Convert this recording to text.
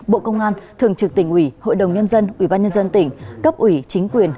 bộ công an thường trực tỉnh ủy hội đồng nhân dân ủy ban nhân dân tỉnh cấp ủy chính quyền